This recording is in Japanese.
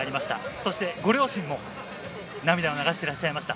そしてご両親も涙を流していらっしゃいました。